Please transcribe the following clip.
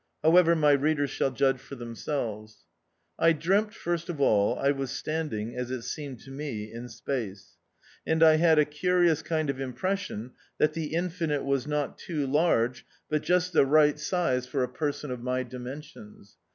How ever, my readers shall judge for themselves. I dreamt, first of all, I was standing, as it seemed to me, in Space, and I had a curious kind of impression that the Infinite was not too large, but just the right size THE OUTCAST. 21 for a person of my dimensions.